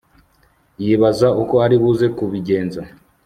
yibaza uko aribuze kubigenza